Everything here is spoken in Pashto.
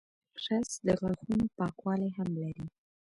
رس د غاښونو پاکوالی هم لري